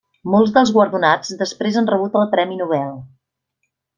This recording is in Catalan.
Molts dels guardonats després han rebut el Premi Nobel.